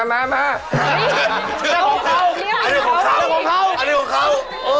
ชื่อของเขาชื่อของเขา